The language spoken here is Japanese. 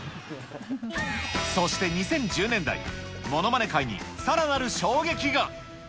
そして２０１０年代、ものまね界にさらなる衝撃が。